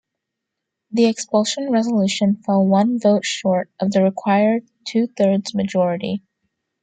The expulsion resolution fell one vote short of the required two-thirds majority.